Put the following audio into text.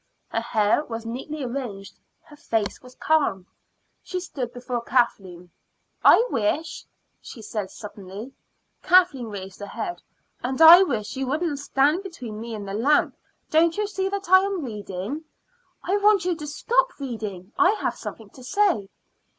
Her hair was neatly arranged; her face was calm. She stood before Kathleen. "I wish " she said suddenly. Kathleen raised her head. "And I wish you wouldn't stand between me and the lamp. Don't you see that I am reading?" "I want you to stop reading. I have something to say."